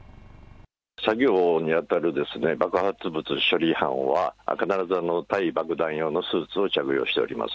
作業に当たる爆発物処理班は、必ず耐爆弾用のスーツを着用しております。